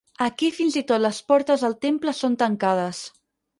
Aquí fins i tot les portes del temple són tancades.